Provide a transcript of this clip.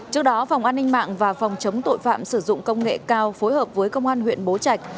trước đó phòng an ninh mạng và phòng chống tội phạm sử dụng công nghệ cao phối hợp với công an huyện bố trạch